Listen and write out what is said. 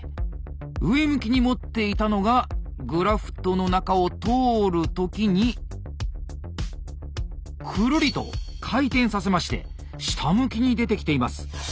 上向きに持っていたのがグラフトの中を通る時にくるりと回転させまして下向きに出てきています。